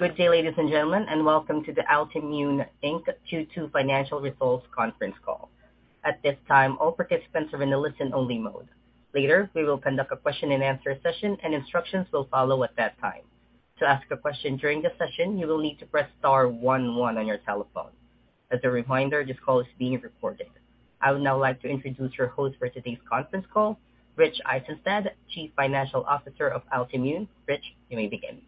Good day, ladies and gentlemen, and welcome to the Altimmune, Inc. Q2 financial results conference call. At this time, all participants are in a listen-only mode. Later, we will conduct a question-and-answer session, and instructions will follow at that time. To ask a question during the session, you will need to press star one one on your telephone. As a reminder, this call is being recorded. I would now like to introduce your host for today's conference call, Richard Eisenstadt, Chief Financial Officer of Altimmune. Rich, you may begin.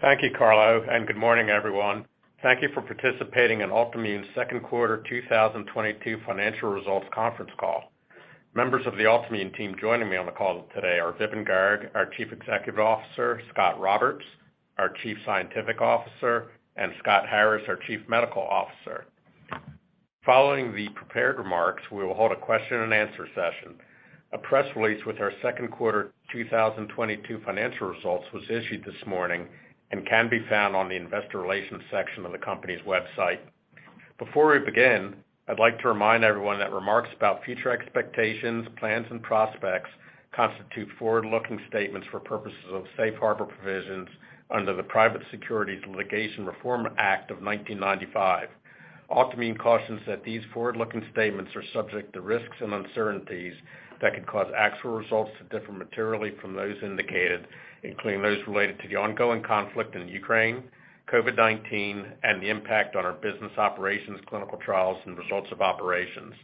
Thank you, Carlo, and good morning, everyone. Thank you for participating in Altimmune's second quarter 2022 financial results conference call. Members of the Altimmune team joining me on the call today are Vipin Garg, our Chief Executive Officer, Scott Roberts, our Chief Scientific Officer, and Scott Harris, our Chief Medical Officer. Following the prepared remarks, we will hold a question-and-answer session. A press release with our second quarter 2022 financial results was issued this morning and can be found on the investor relations section of the company's website. Before we begin, I'd like to remind everyone that remarks about future expectations, plans, and prospects constitute forward-looking statements for purposes of safe harbor provisions under the Private Securities Litigation Reform Act of 1995. Altimmune cautions that these forward-looking statements are subject to risks and uncertainties that could cause actual results to differ materially from those indicated, including those related to the ongoing conflict in Ukraine, COVID-19, and the impact on our business operations, clinical trials, and results of operations.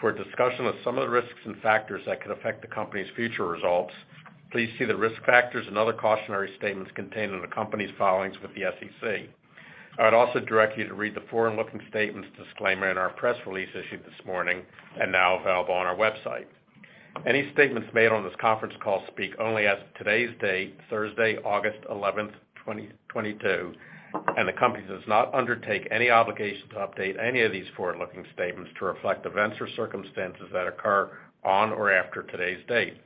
For a discussion of some of the risks and factors that could affect the company's future results, please see the risk factors and other cautionary statements contained in the company's filings with the SEC. I'd also direct you to read the forward-looking statements disclaimer in our press release issued this morning and now available on our website. Any statements made on this conference call speak only as of today's date, Thursday, August 11, 2022, and the company does not undertake any obligation to update any of these forward-looking statements to reflect events or circumstances that occur on or after today's date.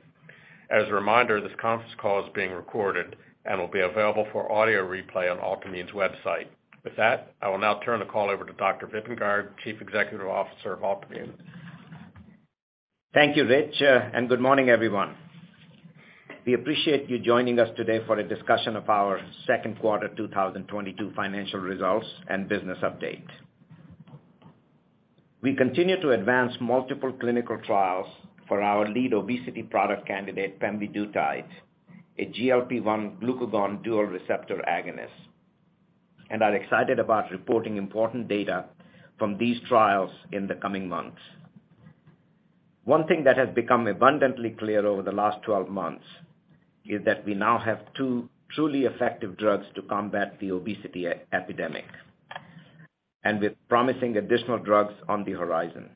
As a reminder, this conference call is being recorded and will be available for audio replay on Altimmune's website. With that, I will now turn the call over to Dr. Vipin Garg, Chief Executive Officer of Altimmune. Thank you, Rich, and good morning, everyone. We appreciate you joining us today for a discussion of our second quarter 2022 financial results and business update. We continue to advance multiple clinical trials for our lead obesity product candidate, pemvidutide, a GLP-1/glucagon dual receptor agonist, and are excited about reporting important data from these trials in the coming months. One thing that has become abundantly clear over the last 12 months is that we now have two truly effective drugs to combat the obesity epidemic, and with promising additional drugs on the horizon.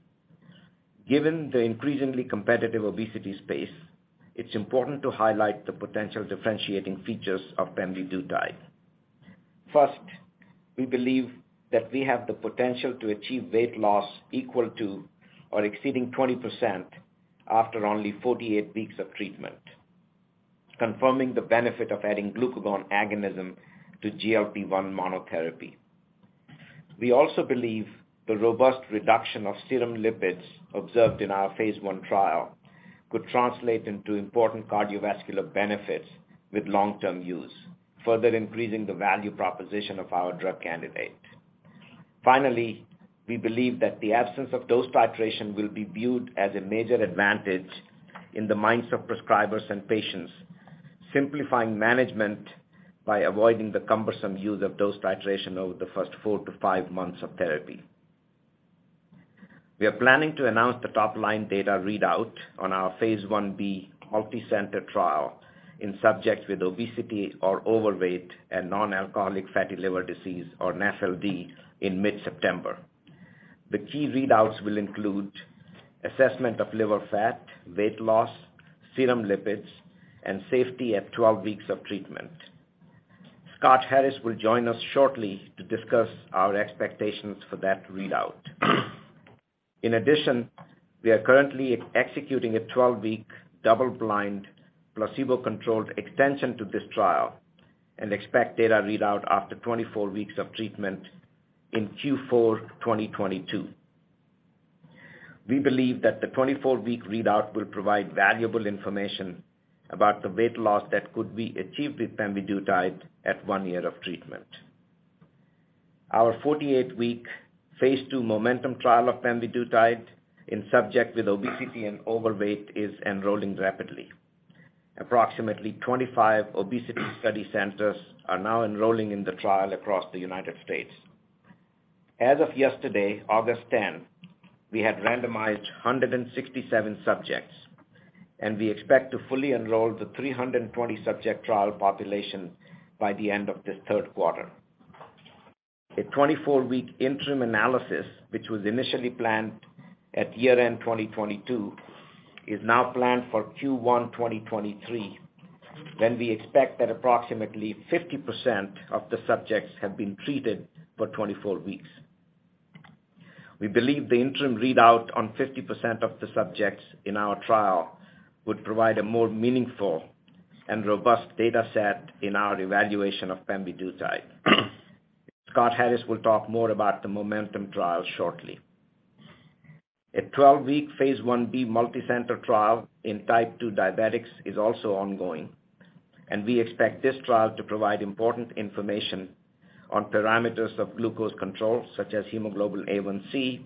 Given the increasingly competitive obesity space, it's important to highlight the potential differentiating features of pemvidutide. First, we believe that we have the potential to achieve weight loss equal to or exceeding 20% after only 48 weeks of treatment, confirming the benefit of adding glucagon agonism to GLP-1 monotherapy. We also believe the robust reduction of serum lipids observed in our phase I trial could translate into important cardiovascular benefits with long-term use, further increasing the value proposition of our drug candidate. Finally, we believe that the absence of dose titration will be viewed as a major advantage in the minds of prescribers and patients, simplifying management by avoiding the cumbersome use of dose titration over the first four to five months of therapy. We are planning to announce the top-line data readout on our phase I-B multicenter trial in subjects with obesity or overweight and non-alcoholic fatty liver disease or NAFLD in mid-September. The key readouts will include assessment of liver fat, weight loss, serum lipids, and safety at 12 weeks of treatment. Scott Harris will join us shortly to discuss our expectations for that readout. In addition, we are currently executing a 12-week, double-blind, placebo-controlled extension to this trial and expect data readout after 24 weeks of treatment in Q4 2022. We believe that the 24-week readout will provide valuable information about the weight loss that could be achieved with pemvidutide at one year of treatment. Our 48-week, phase II MOMENTUM trial of pemvidutide in subjects with obesity and overweight is enrolling rapidly. Approximately 25 obesity study centers are now enrolling in the trial across the United States. As of yesterday, August 10, we had randomized 167 subjects, and we expect to fully enroll the 320 subject trial population by the end of this third quarter. A 24-week interim analysis, which was initially planned at year-end 2022, is now planned for Q1 2023, when we expect that approximately 50% of the subjects have been treated for 24 weeks. We believe the interim readout on 50% of the subjects in our trial would provide a more meaningful and robust data set in our evaluation of pemvidutide. Scott Harris will talk more about the MOMENTUM trial shortly. A 12-week phase I-B multicenter trial in type 2 diabetics is also ongoing, and we expect this trial to provide important information on parameters of glucose control, such as hemoglobin A1c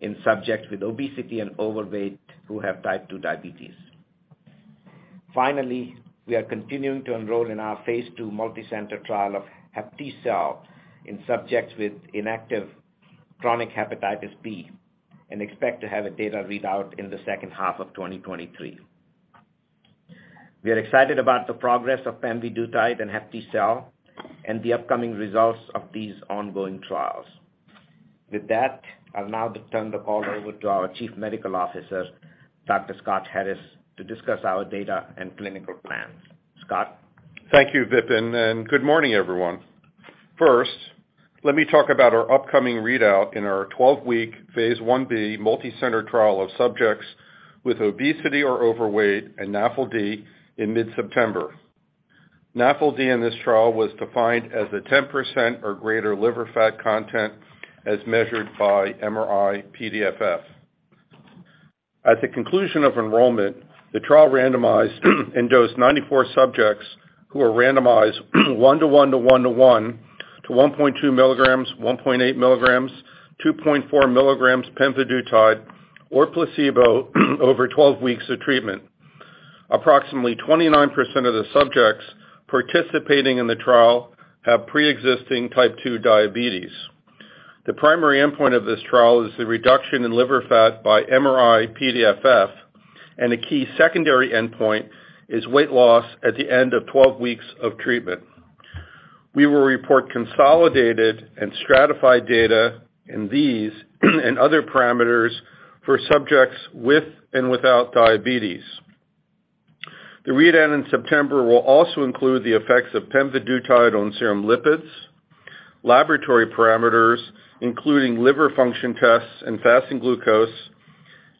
in subjects with obesity and overweight who have type 2 diabetes. Finally, we are continuing to enroll in our phase II multicenter trial of HepTcell in subjects with inactive chronic hepatitis B and expect to have a data readout in the second half of 2023. We are excited about the progress of pemvidutide and HepTcell and the upcoming results of these ongoing trials. With that, I'll now turn the call over to our Chief Medical Officer, Dr. Scott Harris, to discuss our data and clinical plans. Scott? Thank you, Vipin, and good morning, everyone. First, let me talk about our upcoming readout in our 12-week phase II-B multicenter trial of subjects with obesity or overweight and NAFLD in mid-September. NAFLD in this trial was defined as a 10% or greater liver fat content as measured by MRI-PDFF. At the conclusion of enrollment, the trial randomized and dosed 94 subjects who were randomized 1 to 1 to 1 to 1 to 1.2 mg, 1.8 mg, 2.4 mg pemvidutide or placebo over 12 weeks of treatment. Approximately 29% of the subjects participating in the trial have pre-existing type 2 diabetes. The primary endpoint of this trial is the reduction in liver fat by MRI-PDFF, and a key secondary endpoint is weight loss at the end of 12 weeks of treatment. We will report consolidated and stratified data in these and other parameters for subjects with and without diabetes. The readout in September will also include the effects of pemvidutide on serum lipids, laboratory parameters, including liver function tests and fasting glucose,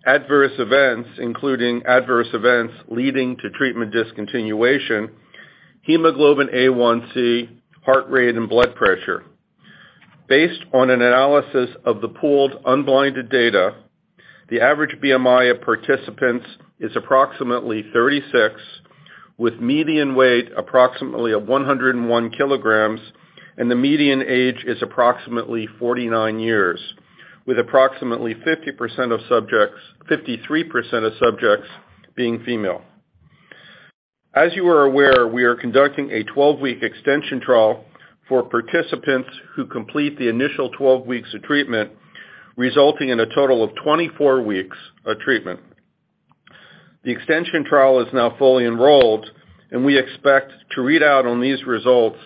adverse events, including adverse events leading to treatment discontinuation, hemoglobin A1c, heart rate, and blood pressure. Based on an analysis of the pooled unblinded data, the average BMI of participants is approximately 36, with median weight approximately of 101 kg, and the median age is approximately 49 years, with approximately 53% of subjects being female. As you are aware, we are conducting a 12-week extension trial for participants who complete the initial 12 weeks of treatment, resulting in a total of 24 weeks of treatment. The extension trial is now fully enrolled, and we expect to read out on these results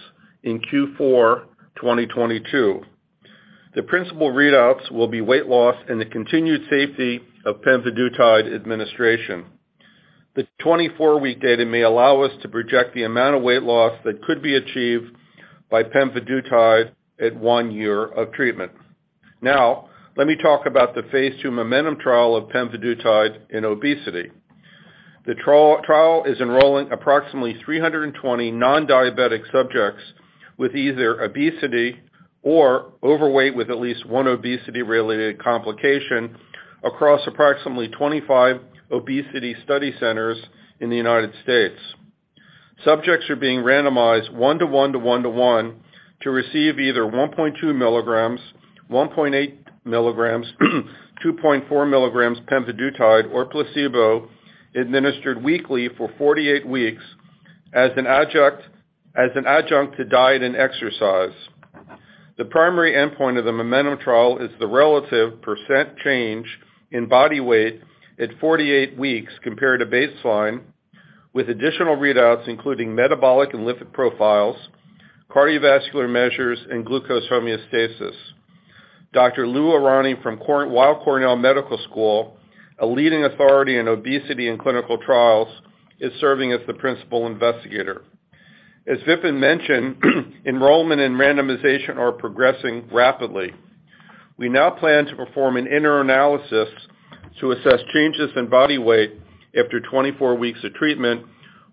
in Q4 2022. The principal readouts will be weight loss and the continued safety of pemvidutide administration. The 24-week data may allow us to project the amount of weight loss that could be achieved by pemvidutide at one year of treatment. Now, let me talk about the phase II MOMENTUM trial of pemvidutide in obesity. The trial is enrolling approximately 320 non-diabetic subjects with either obesity or overweight with at least one obesity-related complication across approximately 25 obesity study centers in the United States. Subjects are being randomized one-to-one to receive either 1.2 mg, 1.8 mg, 2.4 mg pemvidutide or placebo administered weekly for 48 weeks as an adjunct to diet and exercise. The primary endpoint of the Momentum trial is the relative percent change in body weight at 48 weeks compared to baseline, with additional readouts including metabolic and lipid profiles, cardiovascular measures, and glucose homeostasis. Dr. Lou Aronne from Weill Cornell Medical School, a leading authority in obesity and clinical trials, is serving as the principal investigator. As Vipin mentioned, enrollment and randomization are progressing rapidly. We now plan to perform an interim analysis to assess changes in body weight after 24 weeks of treatment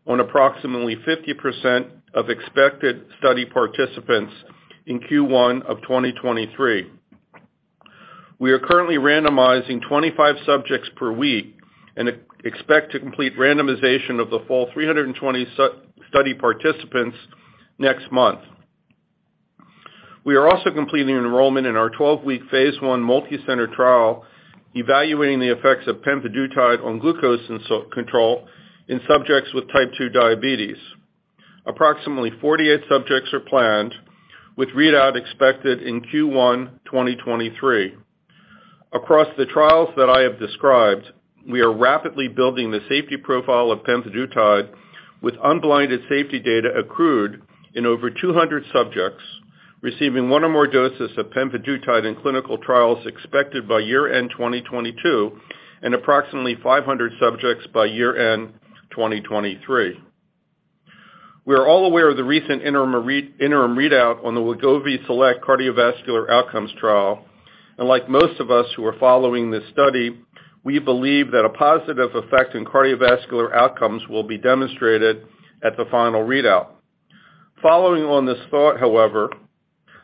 on approximately 50% of expected study participants in Q1 of 2023. We are currently randomizing 25 subjects per week and expect to complete randomization of the full 320 study participants next month. We are also completing enrollment in our 12-week phase I multicenter trial evaluating the effects of pemvidutide on glucose insulin control in subjects with type 2 diabetes. Approximately 48 subjects are planned with readout expected in Q1 2023. Across the trials that I have described, we are rapidly building the safety profile of pemvidutide with unblinded safety data accrued in over 200 subjects receiving one or more doses of pemvidutide in clinical trials expected by year-end 2022 and approximately 500 subjects by year-end 2023. We are all aware of the recent interim readout on the Wegovy SELECT cardiovascular outcomes trial, and like most of us who are following this study, we believe that a positive effect in cardiovascular outcomes will be demonstrated at the final readout. Following on this thought, however,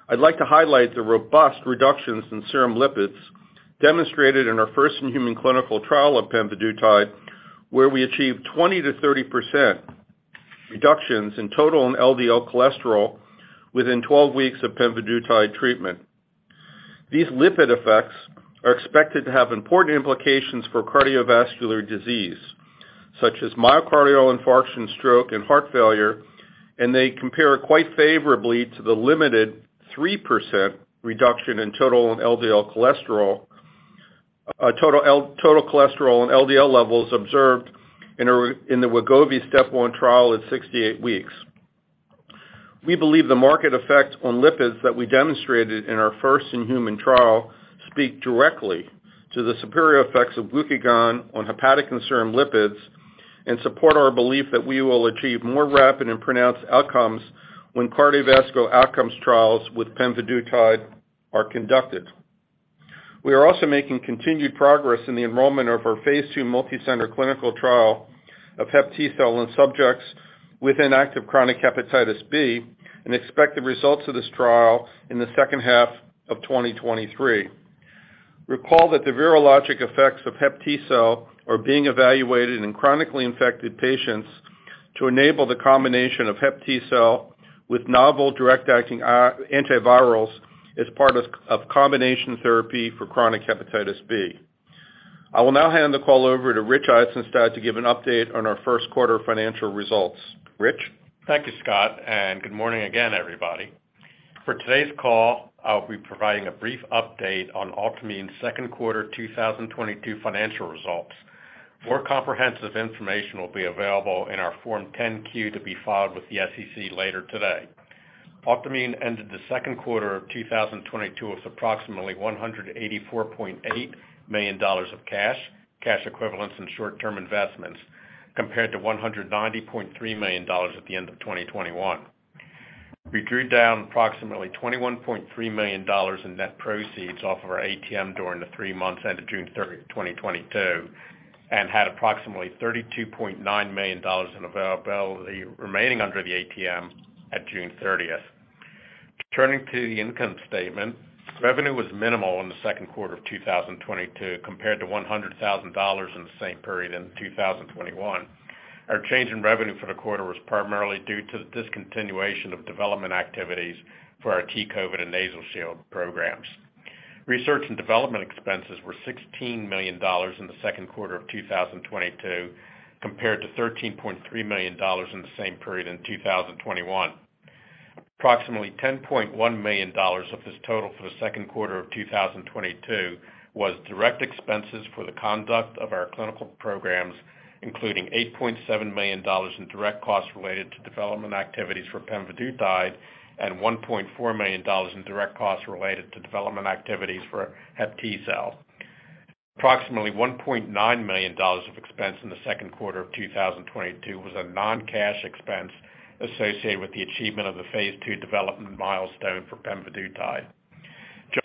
I'd like to highlight the robust reductions in serum lipids demonstrated in our first human clinical trial of pemvidutide, where we achieved 20%-30% reductions in total and LDL cholesterol within 12 weeks of pemvidutide treatment. These lipid effects are expected to have important implications for cardiovascular disease, such as myocardial infarction, stroke, and heart failure, and they compare quite favorably to the limited 3% reduction in total and LDL cholesterol, total cholesterol and LDL levels observed in the Wegovy STEP 1 trial at 68 weeks. We believe the marked effect on lipids that we demonstrated in our first human trial speak directly to the superior effects of glucagon on hepatic and serum lipids and support our belief that we will achieve more rapid and pronounced outcomes when cardiovascular outcomes trials with pemvidutide are conducted. We are also making continued progress in the enrollment of our phase II multicenter clinical trial of HepTcell in subjects with inactive chronic hepatitis B and expect the results of this trial in the second half of 2023. Recall that the virologic effects of HepTcell are being evaluated in chronically infected patients to enable the combination of HepTcell with novel direct-acting antivirals as part of combination therapy for chronic hepatitis B. I will now hand the call over to Rich Eisenstadt to give an update on our first quarter financial results. Rich? Thank you, Scott, and good morning again, everybody. For today's call, I'll be providing a brief update on Altimmune's second quarter 2022 financial results. More comprehensive information will be available in our Form 10-Q to be filed with the SEC later today. Altimmune ended the second quarter of 2022 with approximately $184.8 million of cash equivalents and short-term investments, compared to $190.3 million at the end of 2021. We drew down approximately $21.3 million in net proceeds off of our ATM during the three months ended June 2022 and had approximately $32.9 million in availability remaining under the ATM at June 30. Turning to the income statement, revenue was minimal in the second quarter of 2022 compared to $100,000 in the same period in 2021. Our change in revenue for the quarter was primarily due to the discontinuation of development activities for our T-COVID and NasoShield programs. Research and development expenses were $16 million in the second quarter of 2022, compared to $13.3 million in the same period in 2021. Approximately $10.1 million of this total for the second quarter of 2022 was direct expenses for the conduct of our clinical programs, including $8.7 million in direct costs related to development activities for pemvidutide and $1.4 million in direct costs related to development activities for HepTcell. Approximately $1.9 million of expense in the second quarter of 2022 was a non-cash expense associated with the achievement of the phase II development milestone for pemvidutide.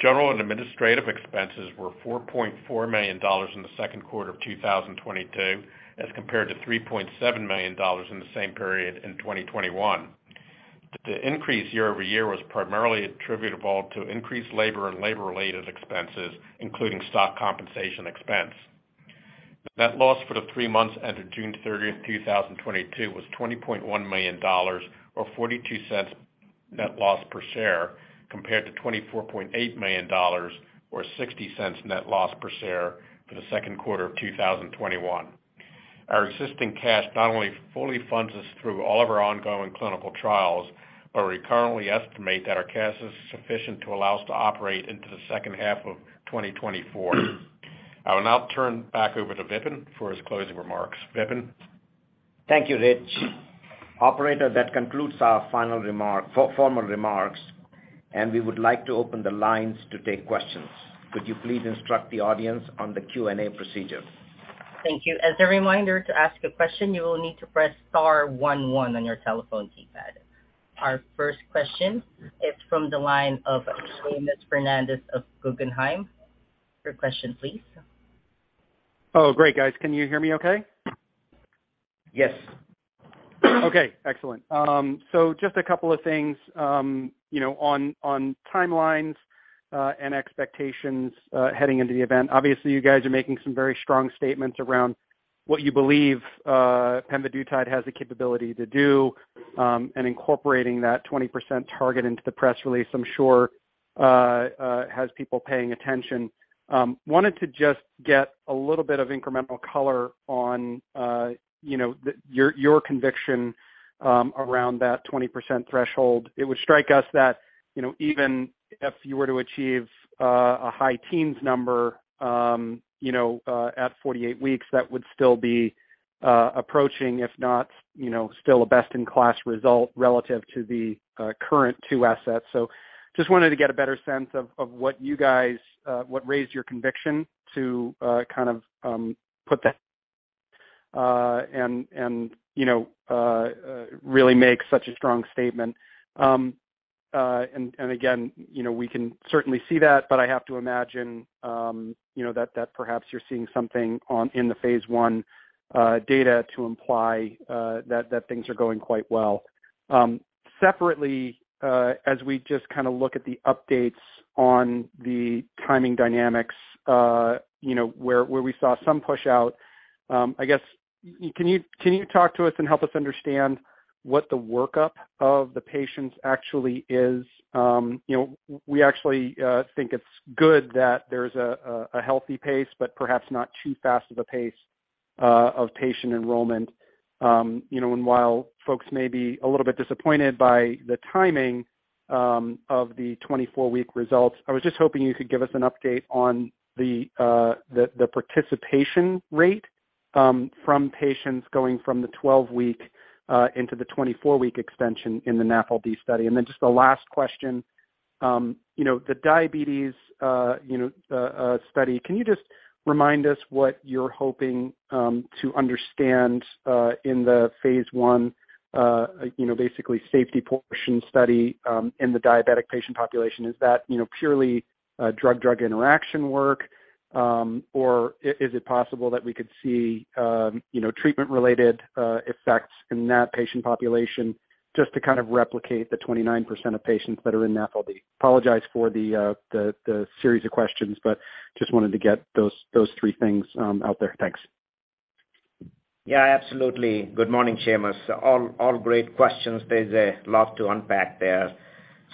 General and administrative expenses were $4.4 million in the second quarter of 2022, as compared to $3.7 million in the same period in 2021. The increase year-over-year was primarily attributable to increased labor and labor-related expenses, including stock compensation expense. Net loss for the three months ended June 30, 2022 was $20.1 million or $0.42 net loss per share, compared to $24.8 million or $0.60 net loss per share for the second quarter of 2021. Our existing cash not only fully funds us through all of our ongoing clinical trials, but we currently estimate that our cash is sufficient to allow us to operate into the second half of 2024. I will now turn back over to Vipin for his closing remarks. Vipin? Thank you, Rich. Operator, that concludes our formal remarks, and we would like to open the lines to take questions. Could you please instruct the audience on the Q&A procedure? Thank you. As a reminder to ask a question, you will need to press star one one on your telephone keypad. Our first question is from the line of Seamus Fernandez of Guggenheim. Your question please. Oh, great. Guys, can you hear me okay? Yes. Okay, excellent. Just a couple of things, you know, on timelines and expectations heading into the event. Obviously, you guys are making some very strong statements around what you believe pemvidutide has the capability to do, and incorporating that 20% target into the press release, I'm sure, has people paying attention. Wanted to just get a little bit of incremental color on, you know, your conviction around that 20% threshold. It would strike us that, you know, even if you were to achieve a high teens number, you know, at 48 weeks, that would still be approaching if not, you know, still a best-in-class result relative to the current two assets. Just wanted to get a better sense of what you guys what raised your conviction to kind of put that and really make such a strong statement. Again, you know, we can certainly see that, but I have to imagine, you know, that perhaps you're seeing something in the phase I data to imply that things are going quite well. Separately, as we just kinda look at the updates on the timing dynamics, you know, where we saw some push out, I guess, can you talk to us and help us understand what the workup of the patients actually is? You know, we actually think it's good that there's a healthy pace, but perhaps not too fast of a pace of patient enrollment. You know, while folks may be a little bit disappointed by the timing of the 24-week results, I was just hoping you could give us an update on the participation rate from patients going from the 12-week into the 24-week extension in the NAFLD study. Then just the last question, you know, the diabetes study, can you just remind us what you're hoping to understand in the phase I basically safety portion study in the diabetic patient population? Is that, you know, purely drug-drug interaction work, or is it possible that we could see, you know, treatment related effects in that patient population just to kind of replicate the 29% of patients that are in NAFLD? Apologize for the the series of questions, but just wanted to get those three things out there. Thanks. Yeah, absolutely. Good morning, Seamus. All great questions. There's a lot to unpack there.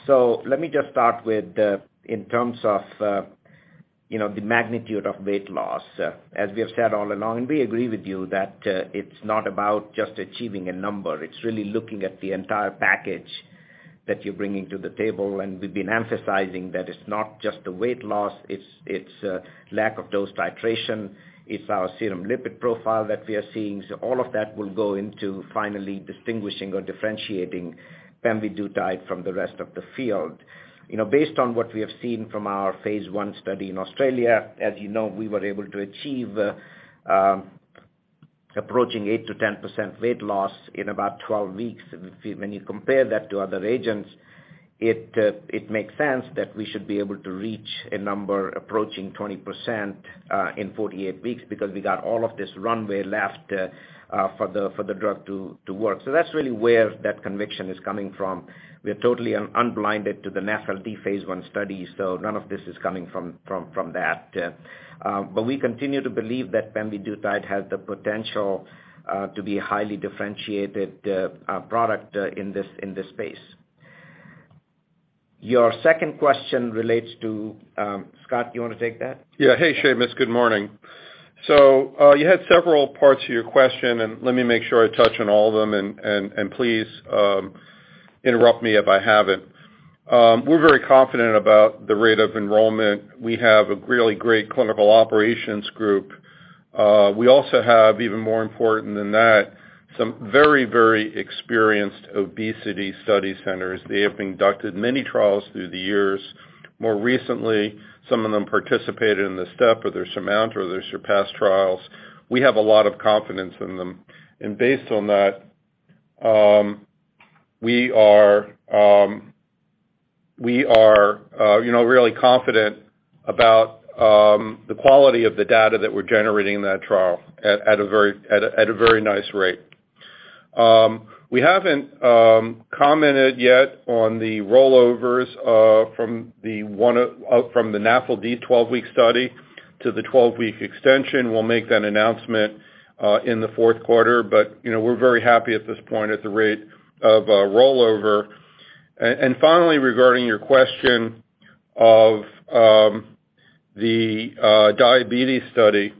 Let me just start with the, in terms of, you know, the magnitude of weight loss. As we have said all along, and we agree with you that, it's not about just achieving a number. It's really looking at the entire package that you're bringing to the table. We've been emphasizing that it's not just the weight loss, it's lack of dose titration. It's our serum lipid profile that we are seeing. All of that will go into finally distinguishing or differentiating pemvidutide from the rest of the field. You know, based on what we have seen from our phase I study in Australia, as you know, we were able to achieve, approaching 8%-10% weight loss in about 12 weeks. When you compare that to other agents, it makes sense that we should be able to reach a number approaching 20%, in 48 weeks because we got all of this runway left, for the drug to work. That's really where that conviction is coming from. We are totally unblinded to the NAFLD phase I study, so none of this is coming from that. We continue to believe that pemvidutide has the potential to be a highly differentiated product in this space. Your second question relates to... Scott, you wanna take that? Yeah. Hey, Seamus. Good morning. You had several parts to your question, and let me make sure I touch on all of them, and please interrupt me if I haven't. We're very confident about the rate of enrollment. We have a really great clinical operations group. We also have, even more important than that, some very, very experienced obesity study centers. They have conducted many trials through the years. More recently, some of them participated in the STEP or SURMOUNT or SURPASS trials. We have a lot of confidence in them. Based on that, we are, you know, really confident about the quality of the data that we're generating in that trial at a very nice rate. We haven't commented yet on the rollovers from the NAFLD 12-week study to the 12-week extension. We'll make that announcement in the fourth quarter. You know, we're very happy at this point at the rate of rollover. Finally, regarding your question of the diabetes study,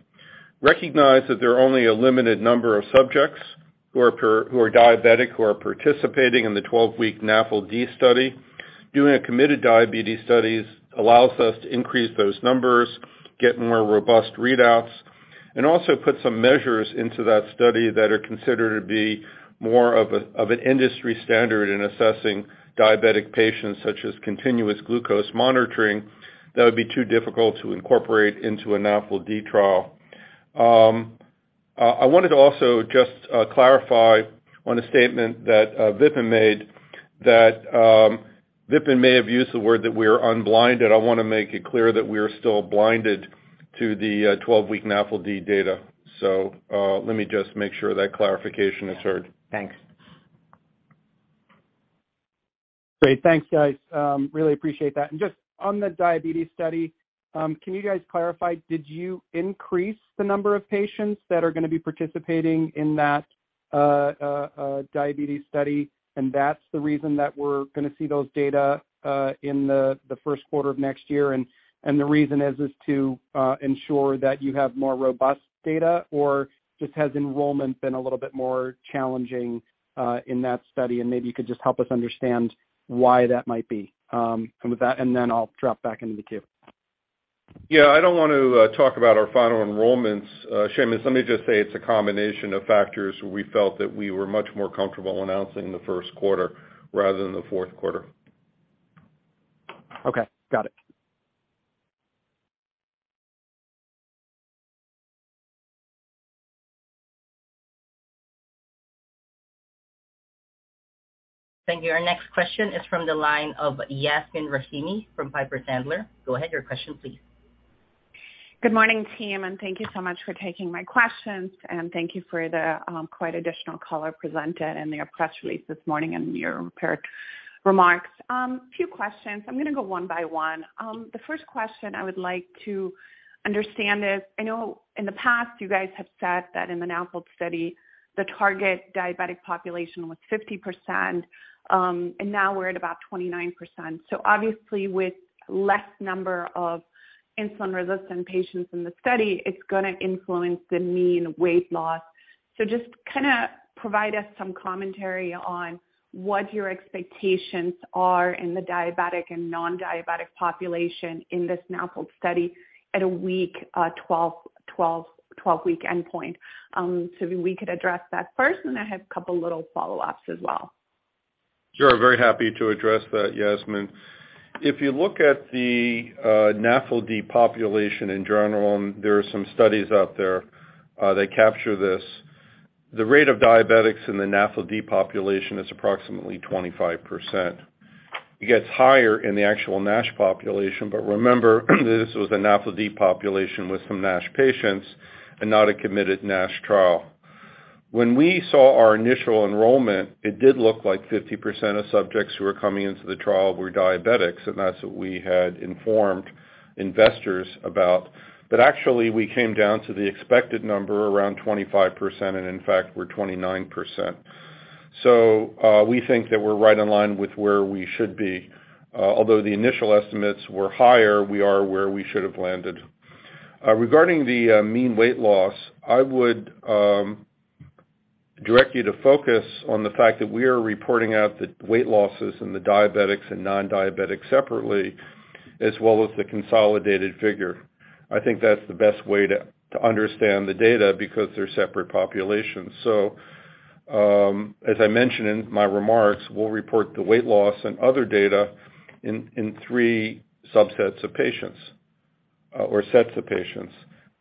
recognize that there are only a limited number of subjects who are diabetic, who are participating in the 12-week NAFLD study. Doing a committed diabetes studies allows us to increase those numbers, get more robust readouts, and also put some measures into that study that are considered to be more of an industry standard in assessing diabetic patients such as continuous glucose monitoring that would be too difficult to incorporate into a NAFLD trial. I wanted to also just clarify on a statement that Vipin made that Vipin may have used the word that we're unblinded. I wanna make it clear that we are still blinded to the 12-week NAFLD data. Let me just make sure that clarification is heard. Thanks. Great. Thanks, guys. Really appreciate that. Just on the diabetes study, can you guys clarify, did you increase the number of patients that are gonna be participating in that diabetes study, and that's the reason that we're gonna see those data in the first quarter of next year? The reason is to ensure that you have more robust data? Or just has enrollment been a little bit more challenging in that study? Maybe you could just help us understand why that might be. With that, then I'll drop back into the queue. Yeah. I don't want to talk about our final enrollments, Seamus. Let me just say it's a combination of factors we felt that we were much more comfortable announcing in the first quarter rather than the fourth quarter. Okay. Got it. Thank you. Our next question is from the line of Yasmeen Rahimi from Piper Sandler. Go ahead. Your question, please. Good morning, team, and thank you so much for taking my questions, and thank you for the quite additional color presented in your press release this morning and your prepared remarks. Two questions. I'm gonna go one by one. The first question I would like to understand is, I know in the past you guys have said that in the NAFLD study, the target diabetic population was 50%, and now we're at about 29%. So obviously with less number of insulin-resistant patients in the study, it's gonna influence the mean weight loss. So just kinda provide us some commentary on what your expectations are in the diabetic and nondiabetic population in this NAFLD study at a 12-week endpoint. If we could address that first, and I have a couple little follow-ups as well. Sure. Very happy to address that, Yasmeen. If you look at the NAFLD population in general, and there are some studies out there that capture this. The rate of diabetics in the NAFLD population is approximately 25%. It gets higher in the actual NASH population, but remember that this was a NAFLD population with some NASH patients and not a committed NASH trial. When we saw our initial enrollment, it did look like 50% of subjects who were coming into the trial were diabetics, and that's what we had informed investors about. But actually, we came down to the expected number around 25%, and in fact, we're 29%. We think that we're right in line with where we should be. Although the initial estimates were higher, we are where we should have landed. Regarding the mean weight loss, I would direct you to focus on the fact that we are reporting out the weight losses in the diabetics and nondiabetics separately, as well as the consolidated figure. I think that's the best way to understand the data because they're separate populations. As I mentioned in my remarks, we'll report the weight loss and other data in three subsets of patients or sets of patients.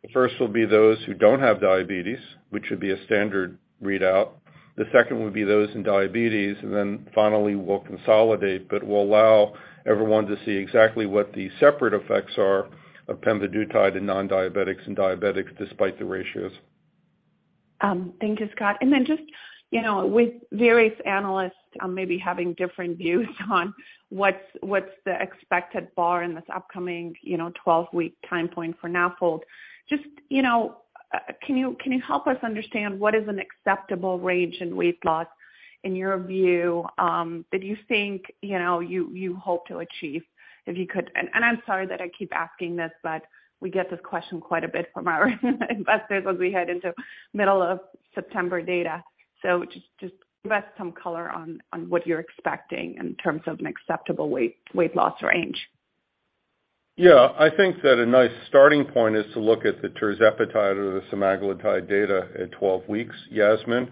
The first will be those who don't have diabetes, which would be a standard readout. The second would be those in diabetes. Then finally, we'll consolidate, but we'll allow everyone to see exactly what the separate effects are of pemvidutide in nondiabetics and diabetics despite the ratios. Thank you, Scott. With various analysts, you know, maybe having different views on what's the expected bar in this upcoming, you know, 12-week time point for NAFLD, just, you know, can you help us understand what is an acceptable range in weight loss in your view that you think, you know, you hope to achieve, if you could? I'm sorry that I keep asking this, but we get this question quite a bit from our investors as we head into middle of September data. Give us some color on what you're expecting in terms of an acceptable weight loss range. Yeah. I think that a nice starting point is to look at the tirzepatide or the semaglutide data at 12 weeks, Yasmin,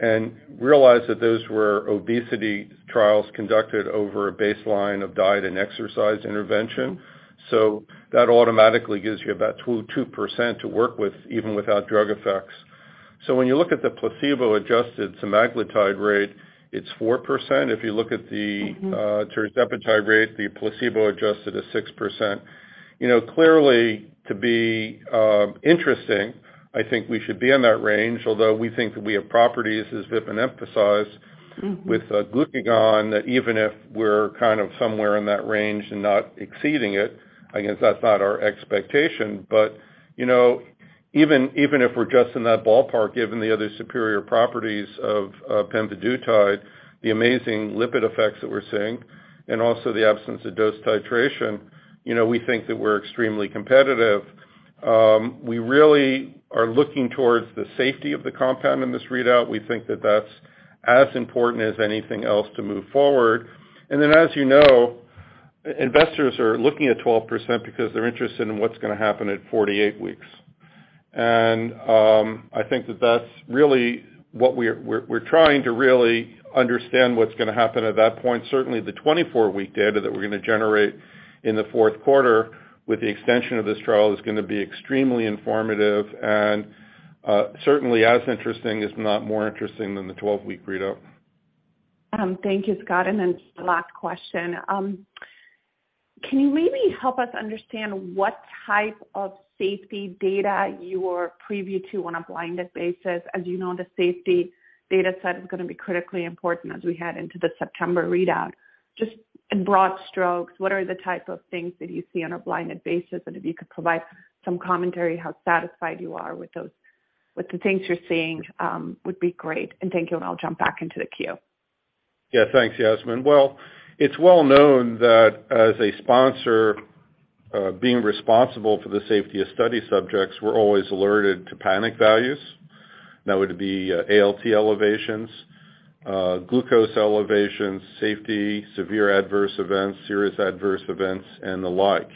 and realize that those were obesity trials conducted over a baseline of diet and exercise intervention. That automatically gives you about 2% to work with even without drug effects. When you look at the placebo-adjusted semaglutide rate, it's 4%. If you look at the- Mm-hmm. tirzepatide rate, the placebo-adjusted is 6%. You know, clearly, to be interesting, I think we should be in that range, although we think that we have properties, as Vipin emphasized. Mm-hmm. With glucagon, that even if we're kind of somewhere in that range and not exceeding it, again, that's not our expectation. You know, even if we're just in that ballpark, given the other superior properties of pemvidutide, the amazing lipid effects that we're seeing and also the absence of dose titration, you know, we think that we're extremely competitive. We really are looking towards the safety of the compound in this readout. We think that that's as important as anything else to move forward. As you know, investors are looking at 12% because they're interested in what's gonna happen at 48 weeks. I think that that's really what we're trying to really understand what's gonna happen at that point. Certainly, the 24-week data that we're gonna generate in the fourth quarter with the extension of this trial is gonna be extremely informative and certainly as interesting, if not more interesting than the 12-week readout. Thank you, Scott. Last question. Can you maybe help us understand what type of safety data you were privy to on a blinded basis? As you know, the safety data set is gonna be critically important as we head into the September readout. Just in broad strokes, what are the type of things that you see on a blinded basis? If you could provide some commentary how satisfied you are with those, with the things you're seeing, would be great. Thank you, and I'll jump back into the queue. Yeah. Thanks, Yasmeen. Well, it's well known that as a sponsor, being responsible for the safety of study subjects, we're always alerted to panic values. That would be ALT elevations, glucose elevations, safety, severe adverse events, serious adverse events, and the like.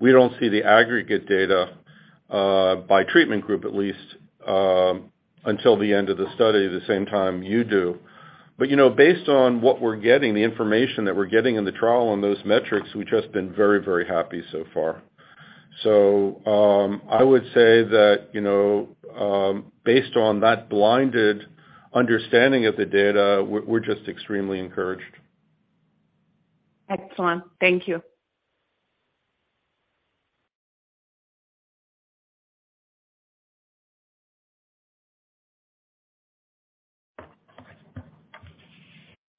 We don't see the aggregate data by treatment group, at least, until the end of the study, the same time you do. You know, based on what we're getting, the information that we're getting in the trial on those metrics, we've just been very, very happy so far. I would say that, you know, based on that blinded understanding of the data, we're just extremely encouraged. Excellent. Thank you.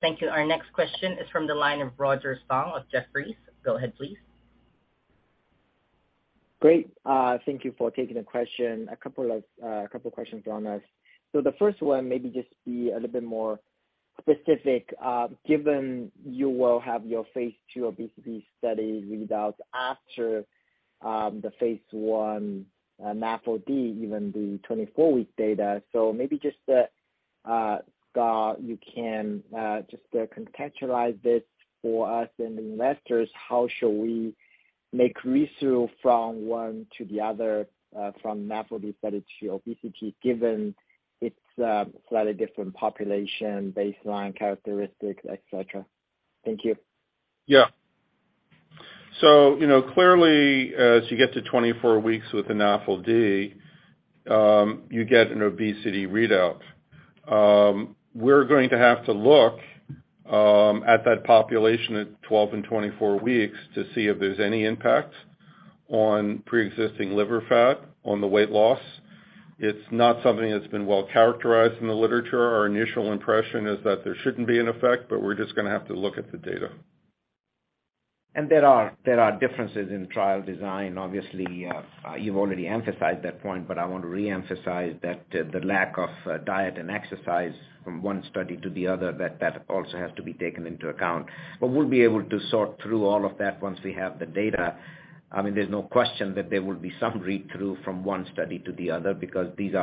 Thank you. Our next question is from the line of Roger Song of Jefferies. Go ahead, please. Great. Thank you for taking the question. A couple questions on us. The first one maybe just be a little bit more specific, given you will have your phase II obesity study readouts after the phase I NAFLD, even the 24-week data. Maybe just contextualize this for us and investors, how should we make sense from one to the other, from NAFLD study to obesity, given its slightly different population, baseline characteristics, et cetera. Thank you. Yeah. You know, clearly, as you get to 24 weeks with the NAFLD, you get an obesity readout. We're going to have to look at that population at 12 and 24 weeks to see if there's any impact on pre-existing liver fat on the weight loss. It's not something that's been well characterized in the literature. Our initial impression is that there shouldn't be an effect, but we're just gonna have to look at the data. There are differences in trial design. Obviously, you've already emphasized that point, but I want to re-emphasize that the lack of diet and exercise from one study to the other, that also has to be taken into account. We'll be able to sort through all of that once we have the data. I mean, there's no question that there will be some read-through from one study to the other because these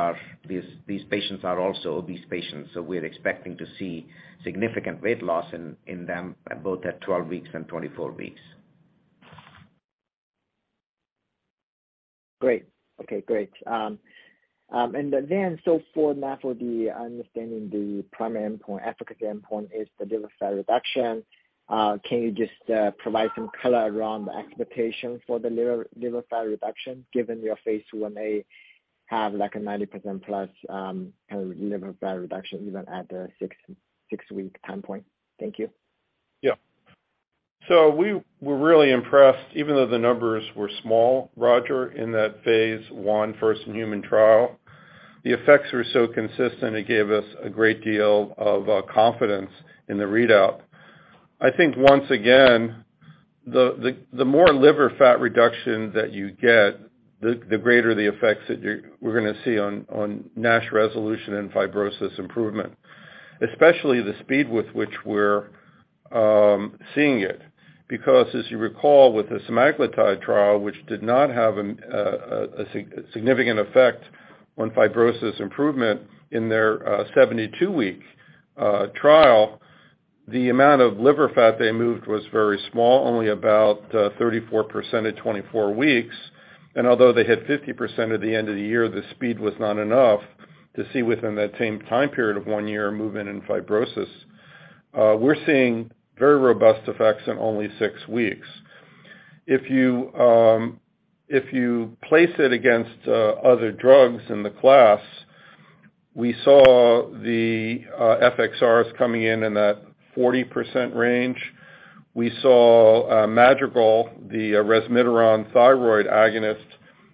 patients are also obese patients, so we're expecting to see significant weight loss in them both at 12 weeks and 24 weeks. Great. Okay, great. For NAFLD, understanding the primary endpoint, efficacy endpoint is the liver fat reduction. Can you just provide some color around the expectations for the liver fat reduction given your phase II-A have like a 90% plus kind of liver fat reduction even at the six-week time point? Thank you. Yeah. We were really impressed, even though the numbers were small, Roger, in that phase I first human trial. The effects were so consistent, it gave us a great deal of confidence in the readout. I think once again, the more liver fat reduction that you get, the greater the effects that we're gonna see on NASH resolution and fibrosis improvement, especially the speed with which we're seeing it. Because as you recall, with the semaglutide trial, which did not have a significant effect on fibrosis improvement in their 72-week trial, the amount of liver fat they moved was very small, only about 34% at 24 weeks. Although they had 50% at the end of the year, the speed was not enough to see within that same time period of one year a movement in fibrosis. We're seeing very robust effects in only six weeks. If you place it against other drugs in the class, we saw the FXR coming in in that 40% range. We saw Madrigal, the resmetirom thyroid agonist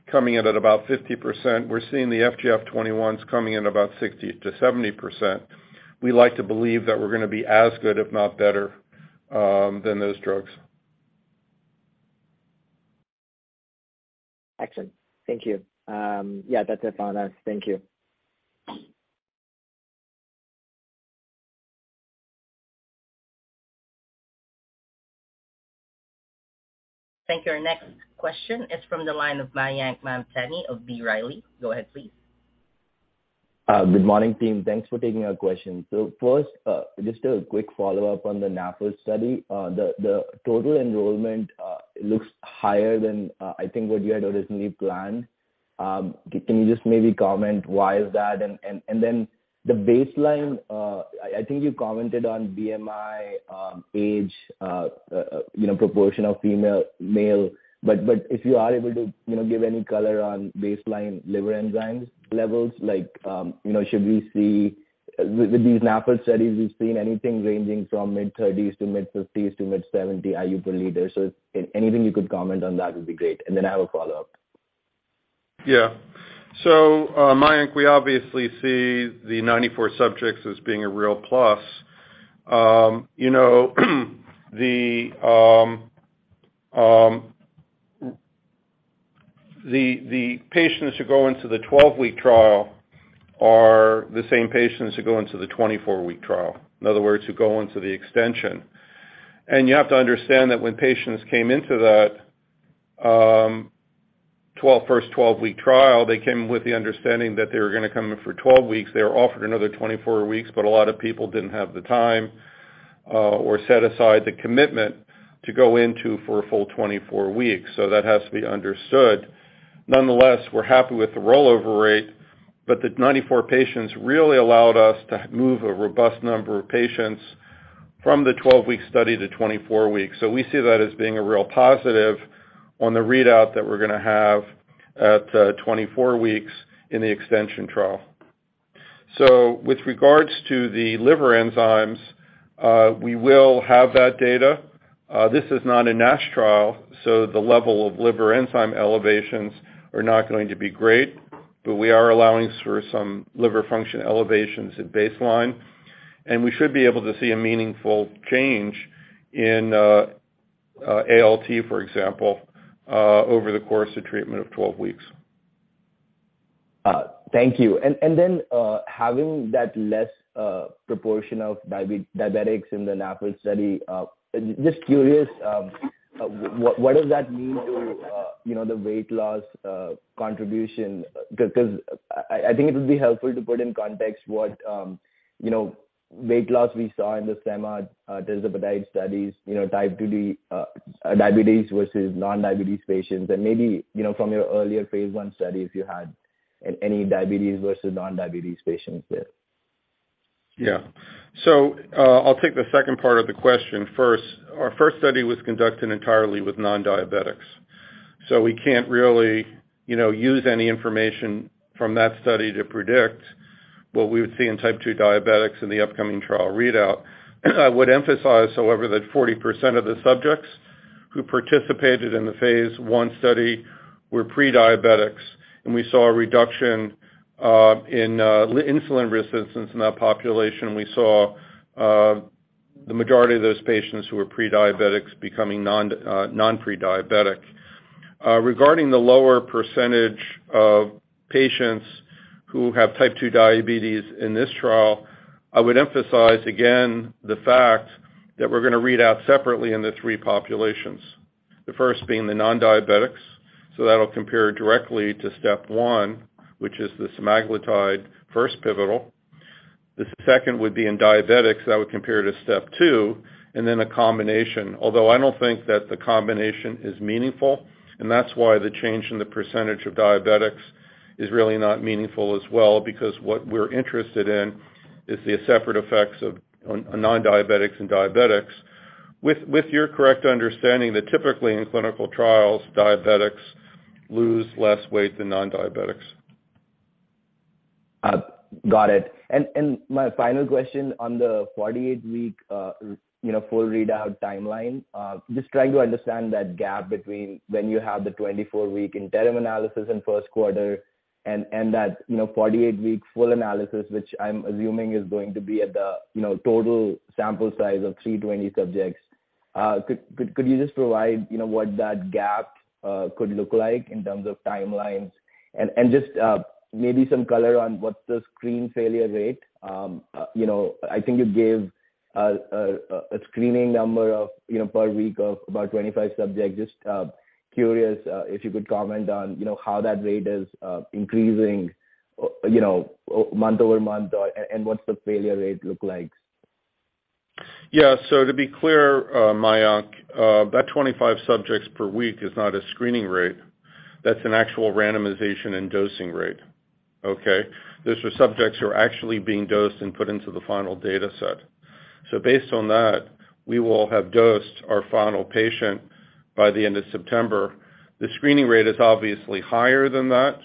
coming in at about 50%. We're seeing the FGF21s coming in about 60%-70%. We like to believe that we're gonna be as good, if not better, than those drugs. Excellent. Thank you. Yeah, that's it on us. Thank you. Thank you. Our next question is from the line of Mayank Mamtani of B. Riley. Go ahead, please. Good morning, team. Thanks for taking our question. First, just a quick follow-up on the NAFLD study. The total enrollment looks higher than I think what you had originally planned. Can you just maybe comment why is that? And then the baseline, I think you commented on BMI, age, you know, proportion of female, male. But if you are able to, you know, give any color on baseline liver enzymes levels, like, you know, should we see. With these NAFLD studies, we've seen anything ranging from mid-30s to mid-50s to mid-70s IU per liter. Anything you could comment on that would be great. And then I have a follow-up. Yeah. Mayank, we obviously see the 94 subjects as being a real plus. You know, the patients who go into the 12-week trial are the same patients who go into the 24-week trial, in other words, who go into the extension. You have to understand that when patients came into that, first 12-week trial, they came with the understanding that they were gonna come in for 12 weeks. They were offered another 24 weeks, but a lot of people didn't have the time, or set aside the commitment to go into for a full 24 weeks. That has to be understood. Nonetheless, we're happy with the rollover rate, but the 94 patients really allowed us to move a robust number of patients from the 12-week study to 24 weeks. We see that as being a real positive on the readout that we're gonna have at 24 weeks in the extension trial. With regards to the liver enzymes, we will have that data. This is not a NASH trial, so the level of liver enzyme elevations are not going to be great. We are allowing for some liver function elevations at baseline, and we should be able to see a meaningful change in ALT, for example, over the course of treatment of 12 weeks. Thank you. Having that less proportion of diabetics in the NAFLD study, just curious, what does that mean to, you know, the weight loss contribution? 'Cause I think it would be helpful to put in context what, you know, weight loss we saw in the tirzepatide studies, you know, type two diabetes versus non-diabetes patients. Maybe, you know, from your earlier phase I study, if you had any diabetes versus non-diabetes patients there. Yeah. I'll take the second part of the question first. Our first study was conducted entirely with non-diabetics, so we can't really, you know, use any information from that study to predict what we would see in type 2 diabetics in the upcoming trial readout. I would emphasize, however, that 40% of the subjects who participated in the phase I study were pre-diabetics, and we saw a reduction in insulin resistance in that population. We saw the majority of those patients who were pre-diabetics becoming non-pre-diabetic. Regarding the lower percentage of patients who have type 2 diabetes in this trial, I would emphasize again the fact that we're gonna read out separately in the three populations. The first being the non-diabetics, so that'll compare directly to STEP 1, which is the semaglutide first pivotal. The second would be in diabetics, that would compare to STEP 2, and then a combination. Although I don't think that the combination is meaningful, and that's why the change in the percentage of diabetics is really not meaningful as well, because what we're interested in is the separate effects on non-diabetics and diabetics. With your correct understanding that typically in clinical trials, diabetics lose less weight than non-diabetics. Got it. My final question on the 48-week full readout timeline, just trying to understand that gap between when you have the 24-week interim analysis in first quarter and that 48-week full analysis, which I'm assuming is going to be at the total sample size of 320 subjects. Could you just provide what that gap could look like in terms of timelines? Just maybe some color on what's the screen failure rate. I think you gave a screening number of per week of about 25 subjects. Just curious if you could comment on how that rate is increasing month-over-month or and what's the failure rate look like. Yeah. To be clear, Mayank, that 25 subjects per week is not a screening rate. That's an actual randomization and dosing rate. Okay? Those are subjects who are actually being dosed and put into the final data set. Based on that, we will have dosed our final patient by the end of September. The screening rate is obviously higher than that.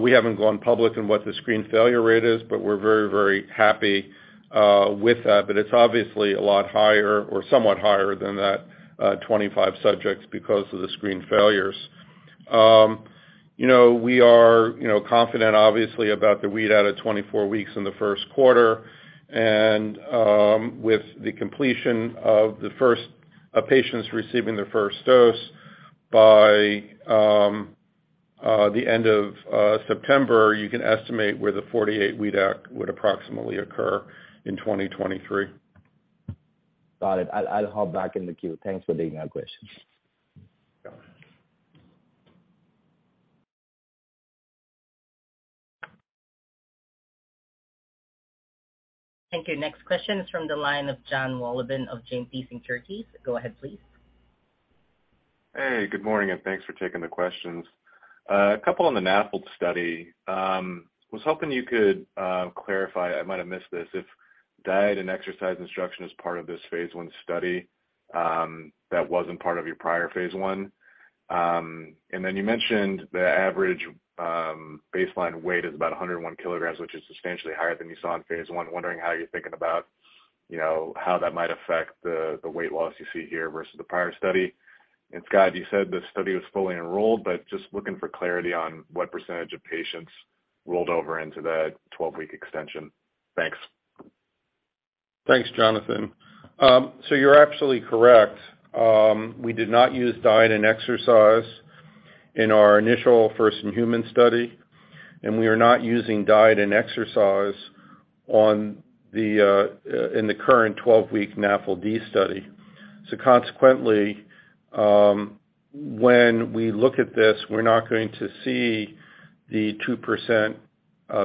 We haven't gone public on what the screen failure rate is, but we're very, very happy with that. It's obviously a lot higher or somewhat higher than that, 25 subjects because of the screen failures. You know, we are, you know, confident obviously about the read out of 24 weeks in the first quarter. With the completion of patients receiving their first dose by the end of September, you can estimate where the 48 readout would approximately occur in 2023. Got it. I'll hop back in the queue. Thanks for taking my questions. Yeah. Thank you. Next question is from the line of Jonathan Wolleben of JMP Securities. Go ahead, please. Hey, good morning, and thanks for taking the questions. A couple on the NAFLD study. Was hoping you could clarify, I might have missed this, if diet and exercise instruction is part of this phase I study, that wasn't part of your prior phase I. You mentioned the average baseline weight is about 101 kg, which is substantially higher than you saw in phase I. Wondering how you're thinking about, you know, how that might affect the weight loss you see here versus the prior study. Scott, you said the study was fully enrolled, but just looking for clarity on what percentage of patients rolled over into that 12-week extension. Thanks. Thanks, Jonathan. You're absolutely correct. We did not use diet and exercise in our initial first human study, and we are not using diet and exercise in the current 12-week NAFLD study. Consequently, when we look at this, we're not going to see the 2%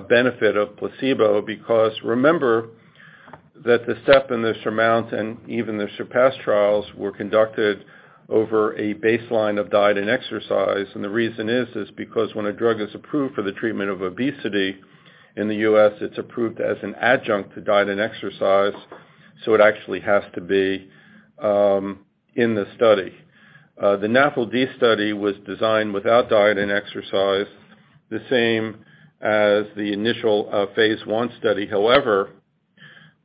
benefit of placebo because remember that the STEP and the SURMOUNT and even the SURPASS trials were conducted over a baseline of diet and exercise. The reason is because when a drug is approved for the treatment of obesity in the U.S., it's approved as an adjunct to diet and exercise. It actually has to be in the study. The NAFLD study was designed without diet and exercise, the same as the initial phase I study. However,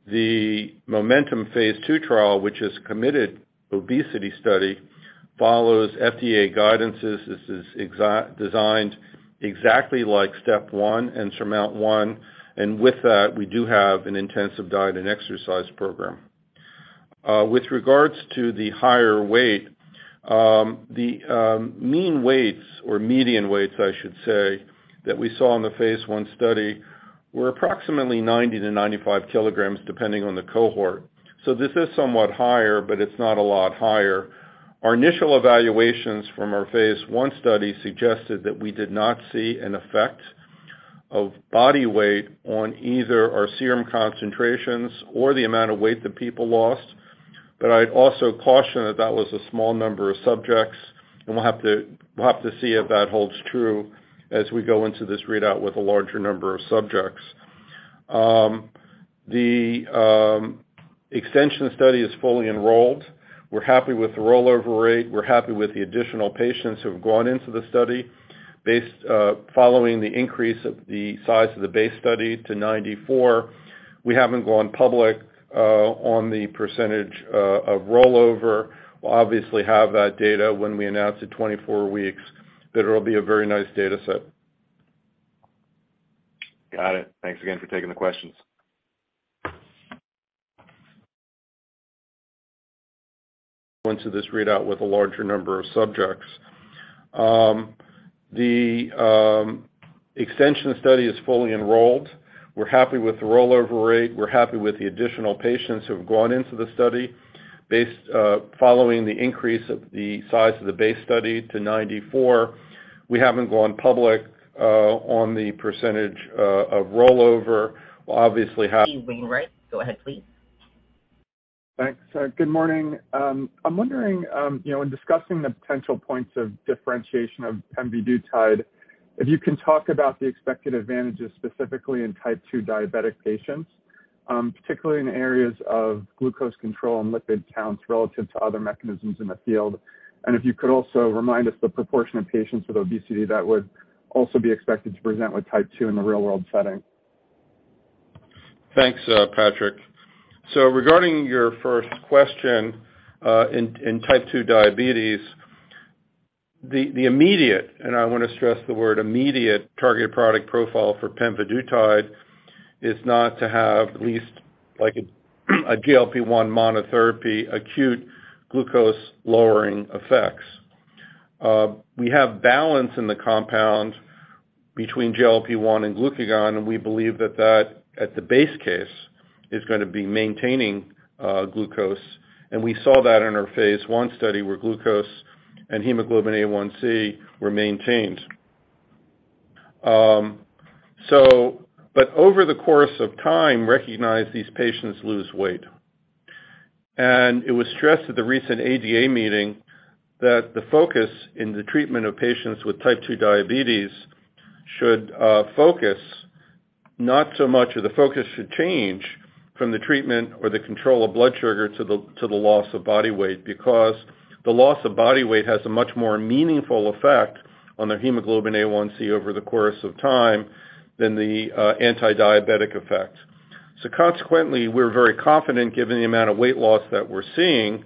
the MOMENTUM phase II trial, which is a pemvidutide obesity study, follows FDA guidances. This is designed exactly like STEP 1 and SURMOUNT-1. With that, we do have an intensive diet and exercise program. With regards to the higher weight, the mean weights or median weights, I should say, that we saw in the phase I study were approximately 90 kg-95 kg, depending on the cohort. This is somewhat higher, but it's not a lot higher. Our initial evaluations from our phase I study suggested that we did not see an effect of body weight on either our serum concentrations or the amount of weight that people lost. I'd also caution that that was a small number of subjects, and we'll have to see if that holds true as we go into this readout with a larger number of subjects. The extension study is fully enrolled. We're happy with the rollover rate. We're happy with the additional patients who have gone into the study based following the increase of the size of the base study to 94 kg. We haven't gone public on the percentage of rollover. We'll obviously have that data when we announce at 24 weeks that it'll be a very nice data set. Got it. Thanks again for taking the questions. Into this readout with a larger number of subjects. The extension study is fully enrolled. We're happy with the rollover rate. We're happy with the additional patients who have gone into the study based following the increase of the size of the base study to 94 kg. We haven't gone public on the percentage of rollover. We'll obviously have H.C. Wainwright, go ahead, please. Thanks. Good morning. I'm wondering, you know, in discussing the potential points of differentiation of pemvidutide, if you can talk about the expected advantages specifically in type two diabetic patients, particularly in areas of glucose control and lipid counts relative to other mechanisms in the field. If you could also remind us the proportion of patients with obesity that would also be expected to present with type two in the real-world setting. Thanks, Patrick. Regarding your first question, in type 2 diabetes, the immediate, and I wanna stress the word immediate target product profile for pemvidutide is not to have at least like a GLP-1 monotherapy acute glucose-lowering effects. We have balance in the compound between GLP-1 and glucagon, and we believe that at the base case is gonna be maintaining glucose. We saw that in our phase I study where glucose and hemoglobin A1c were maintained. Over the course of time, recognize these patients lose weight. It was stressed at the recent ADA meeting that the focus in the treatment of patients with type 2 diabetes should focus not so much or the focus should change from the treatment or the control of blood sugar to the loss of body weight because the loss of body weight has a much more meaningful effect on their hemoglobin A1c over the course of time than the antidiabetic effect. Consequently, we're very confident, given the amount of weight loss that we're seeing,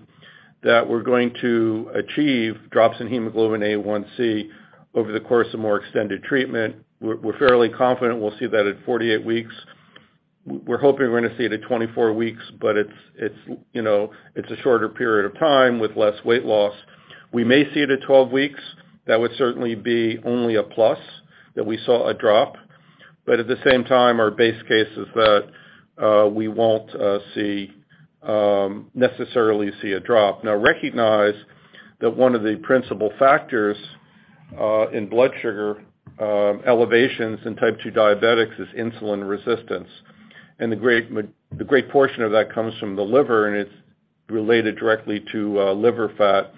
that we're going to achieve drops in hemoglobin A1c over the course of more extended treatment. We're fairly confident we'll see that at 48 weeks. We're hoping we're gonna see it at 24 weeks, but it's a shorter period of time with less weight loss, you know. We may see it at 12 weeks. That would certainly be only a plus that we saw a drop. At the same time, our base case is that we won't necessarily see a drop. Now recognize that one of the principal factors in blood sugar elevations in type 2 diabetics is insulin resistance. The great portion of that comes from the liver, and it's related directly to liver fat.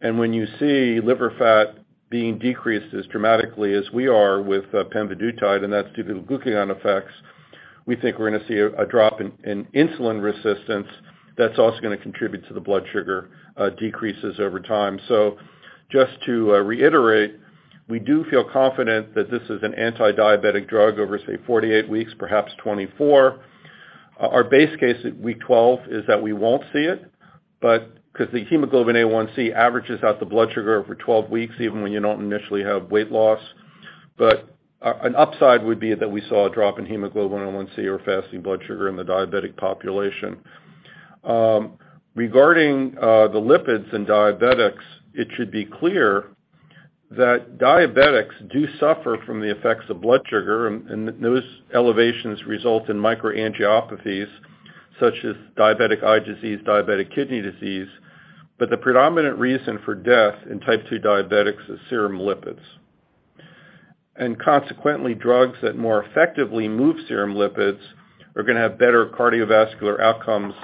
When you see liver fat being decreased as dramatically as we are with pemvidutide, and that's due to the glucagon effects, we think we're gonna see a drop in insulin resistance that's also gonna contribute to the blood sugar decreases over time. Just to reiterate, we do feel confident that this is an antidiabetic drug over, say, 48 weeks, perhaps 24. Our base case at week 12 is that we won't see it, but 'cause the hemoglobin A1c averages out the blood sugar over 12 weeks, even when you don't initially have weight loss. An upside would be that we saw a drop in hemoglobin A1c or fasting blood sugar in the diabetic population. Regarding the lipids in diabetics, it should be clear that diabetics do suffer from the effects of blood sugar and those elevations result in microangiopathies such as diabetic eye disease, diabetic kidney disease. The predominant reason for death in type 2 diabetics is serum lipids. Consequently, drugs that more effectively move serum lipids are gonna have better cardiovascular outcomes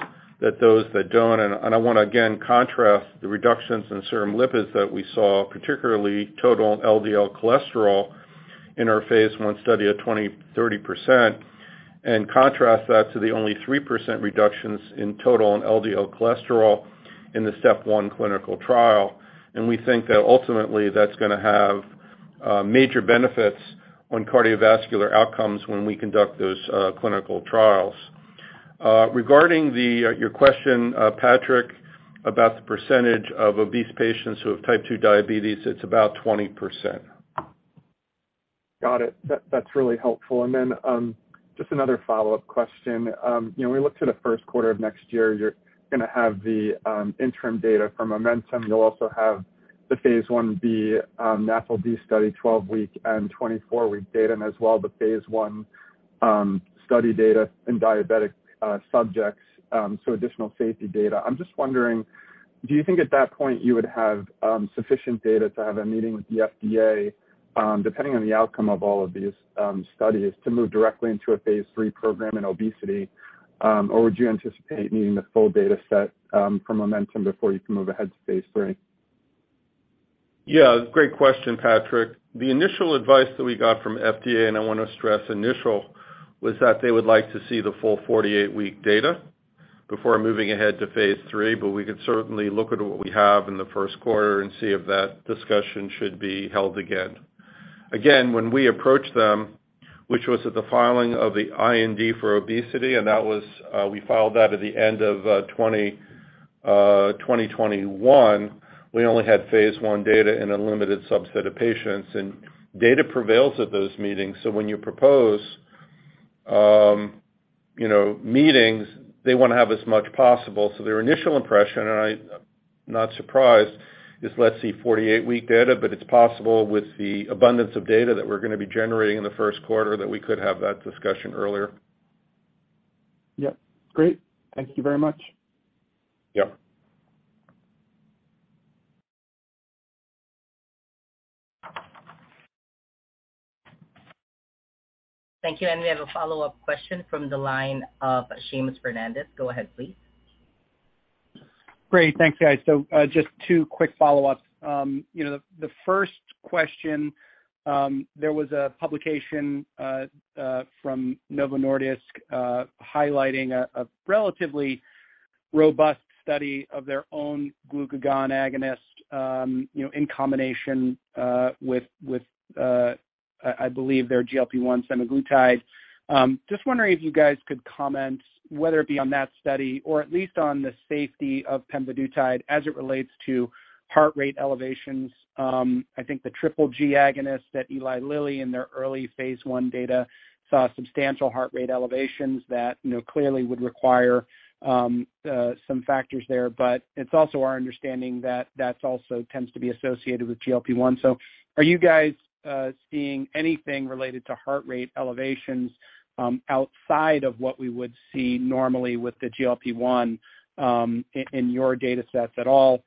than those that don't. I wanna again contrast the reductions in serum lipids that we saw, particularly total LDL cholesterol in our phase I study at 20%-30%, and contrast that to the only 3% reductions in total and LDL cholesterol in the STEP 1 clinical trial. We think that ultimately that's gonna have major benefits on cardiovascular outcomes when we conduct those clinical trials. Regarding your question, Patrick, about the percentage of obese patients who have type 2 diabetes, it's about 20%. Got it. That's really helpful. Just another follow-up question. You know, when we look to the first quarter of next year, you're gonna have the interim data from MOMENTUM. You'll also have the phase I-B NAFLD study, 12-week and 24-week data, and as well the phase I study data in diabetic subjects, so additional safety data. I'm just wondering, do you think at that point you would have sufficient data to have a meeting with the FDA, depending on the outcome of all of these studies to move directly into a phase III program in obesity? Would you anticipate needing the full data set from MOMENTUM before you can move ahead to phase III? Yeah, great question, Patrick. The initial advice that we got from FDA, and I wanna stress initial, was that they would like to see the full 48-week data before moving ahead to phase III, but we could certainly look at what we have in the first quarter and see if that discussion should be held again. Again, when we approached them, which was at the filing of the IND for obesity, and that was, we filed that at the end of 2021. We only had phase I data in a limited subset of patients, and data prevails at those meetings. When you propose, you know, meetings, they wanna have as much possible. Their initial impression, and I'm not surprised, is let's see 48-week data, but it's possible with the abundance of data that we're gonna be generating in the first quarter that we could have that discussion earlier. Yep. Great. Thank you very much. Yep. Thank you. We have a follow-up question from the line of Seamus Fernandez. Go ahead, please. Great. Thanks, guys. Just two quick follow-ups. You know, the first question, there was a publication from Novo Nordisk, highlighting a relatively robust study of their own glucagon agonist, you know, in combination with, I believe their GLP-1 semaglutide. Just wondering if you guys could comment whether it be on that study or at least on the safety of pemvidutide as it relates to heart rate elevations. I think the triple G agonist that Eli Lilly in their early phase I data saw substantial heart rate elevations that, you know, clearly would require some factors there. It's also our understanding that that's also tends to be associated with GLP-1. Are you guys seeing anything related to heart rate elevations outside of what we would see normally with the GLP-1 in your data sets at all?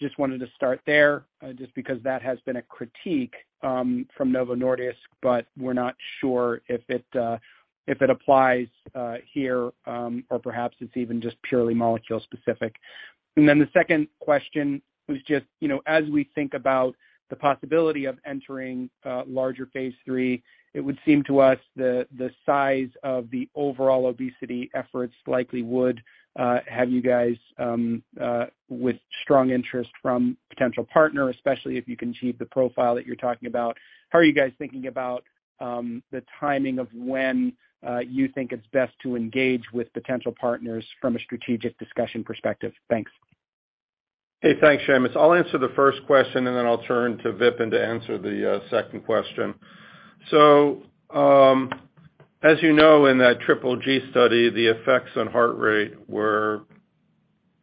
Just wanted to start there just because that has been a critique from Novo Nordisk, but we're not sure if it applies here or perhaps it's even just purely molecule specific. The second question was just, you know, as we think about the possibility of entering larger phase III, it would seem to us the size of the overall obesity efforts likely would have you guys with strong interest from potential partner, especially if you can achieve the profile that you're talking about. How are you guys thinking about the timing of when you think it's best to engage with potential partners from a strategic discussion perspective? Thanks. Hey, thanks, Seamus. I'll answer the first question, and then I'll turn to Vipin to answer the second question. As you know, in that triple G study, the effects on heart rate were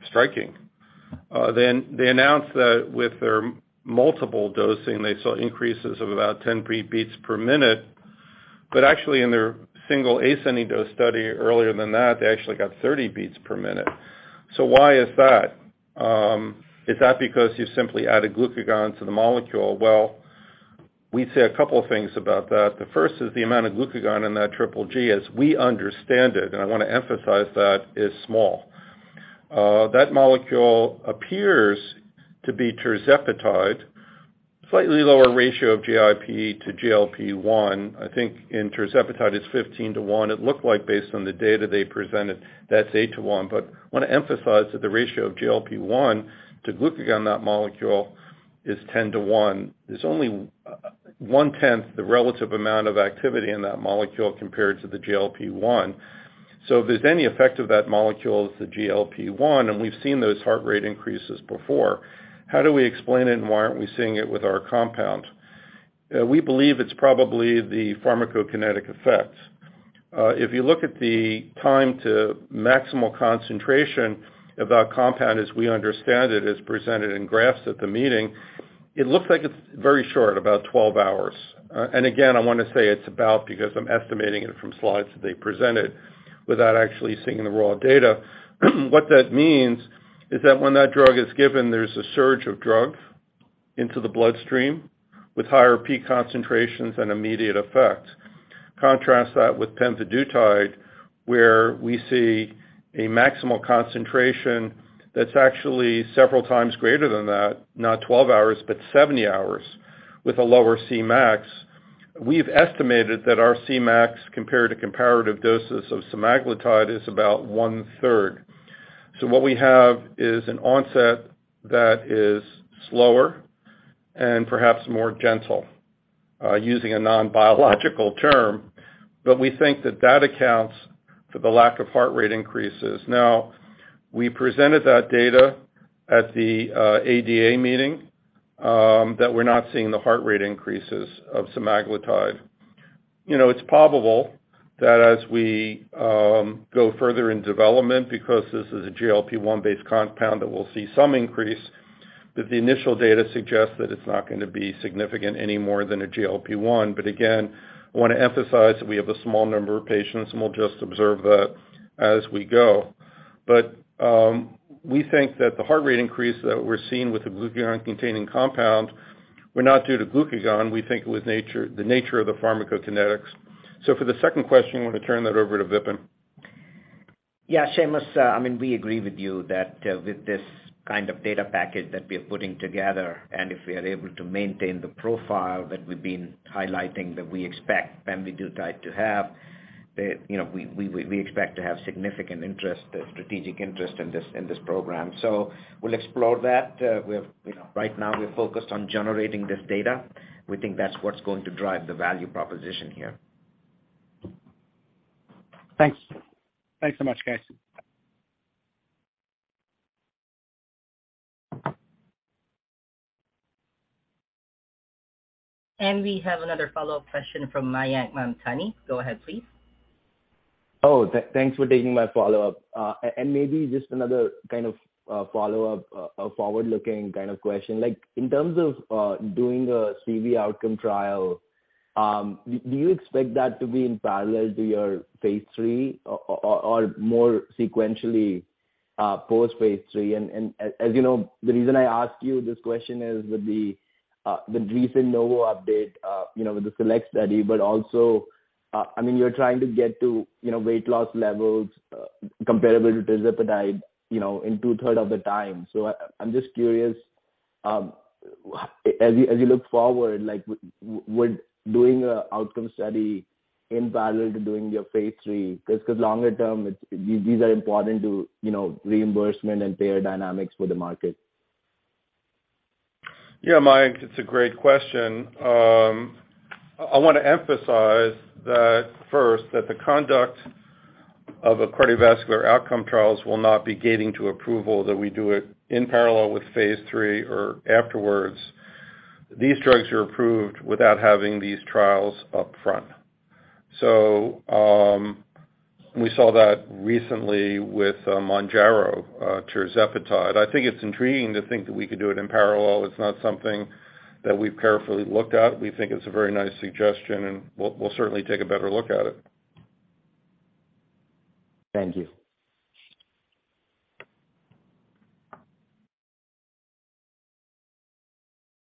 striking. They announced that with their multiple dosing, they saw increases of about 10 beats per minute. Actually in their single ascending dose study earlier than that, they actually got 30 beats per minute. Why is that? Is that because you simply added glucagon to the molecule? Well, we'd say a couple of things about that. The first is the amount of glucagon in that triple G, as we understand it, and I wanna emphasize that, is small. That molecule appears to be tirzepatide, slightly lower ratio of GIP to GLP-1. I think in tirzepatide, it's 15 to 1. It looked like based on the data they presented, that's 8 to 1. Wanna emphasize that the ratio of GLP-1 to glucagon, that molecule is 10 to 1. There's only 1/10 the relative amount of activity in that molecule compared to the GLP-1. If there's any effect of that molecule is the GLP-1, and we've seen those heart rate increases before, how do we explain it and why aren't we seeing it with our compound? We believe it's probably the pharmacokinetic effects. If you look at the time to maximal concentration of our compound, as we understand it, as presented in graphs at the meeting, it looks like it's very short, about 12 hours. Again, I wanna say it's about, because I'm estimating it from slides that they presented without actually seeing the raw data. What that means is that when that drug is given, there's a surge of drug into the bloodstream with higher peak concentrations and immediate effect. Contrast that with pemvidutide, where we see a maximal concentration that's actually several times greater than that, not 12 hours, but 70 hours with a lower Cmax. We've estimated that our Cmax compared to comparative doses of semaglutide is about 1/3. What we have is an onset that is slower and perhaps more gentle, using a non-biological term. We think that that accounts for the lack of heart rate increases. Now, we presented that data at the ADA meeting, that we're not seeing the heart rate increases of semaglutide. You know, it's probable that as we go further in development, because this is a GLP-1 based compound, that we'll see some increase, but the initial data suggests that it's not gonna be significant any more than a GLP-1. Again, I wanna emphasize that we have a small number of patients, and we'll just observe that as we go. We think that the heart rate increase that we're seeing with the glucagon-containing compound were not due to glucagon. We think it was nature, the nature of the pharmacokinetics. For the second question, I wanna turn that over to Vipin. Yeah, Seamus, I mean, we agree with you that with this kind of data package that we are putting together, and if we are able to maintain the profile that we've been highlighting, that we expect pemvidutide to have, you know, we expect to have significant interest, strategic interest in this program. We'll explore that. You know, right now we're focused on generating this data. We think that's what's going to drive the value proposition here. Thanks. Thanks so much, guys. We have another follow-up question from Mayank Mamtani. Go ahead, please. Oh, thanks for taking my follow-up. Maybe just another kind of follow-up, a forward-looking kind of question. Like, in terms of doing a CV outcome trial, do you expect that to be in parallel to your phase III or more sequentially post phase III? As you know, the reason I ask you this question is with the recent Novo update, you know, with the SELECT study, but also, I mean, you're trying to get to, you know, weight loss levels comparable to tirzepatide, you know, in two-thirds of the time. So I'm just curious, as you look forward, like with doing an outcome study in parallel to doing your phase III, 'cause longer term, it's these are important to, you know, reimbursement and payer dynamics for the market. Yeah, Mayank, it's a great question. I wanna emphasize that first, that the conduct of a cardiovascular outcome trials will not be gating to approval, that we do it in parallel with phase III or afterwards. These drugs are approved without having these trials up front. We saw that recently with `Mounjaro, tirzepatide. I think it's intriguing to think that we could do it in parallel. It's not something that we've carefully looked at. We think it's a very nice suggestion, and we'll certainly take a better look at it. Thank you.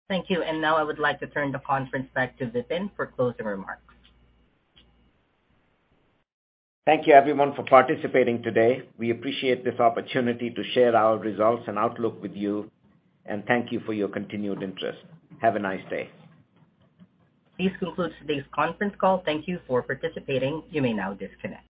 Thank you. Now I would like to turn the conference back to Vipin for closing remarks. Thank you everyone for participating today. We appreciate this opportunity to share our results and outlook with you, and thank you for your continued interest. Have a nice day. This concludes today's conference call. Thank you for participating. You may now disconnect.